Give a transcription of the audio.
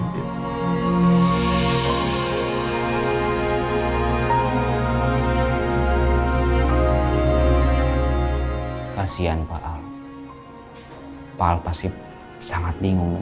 dia sudah jatuh